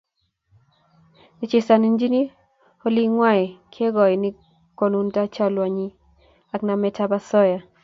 nechesanchini olingwai kekoini konunat chelanyei ak namet ap osoya